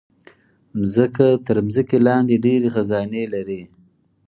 مځکه تر ځمکې لاندې ډېر خزانے لري.